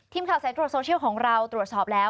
ทีมข่าวใส่ตรวจโซเชียลของเราตรวจสอบแล้ว